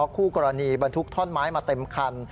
คู่กรณีบรรทุกท่อนไม้มาเต็มคัน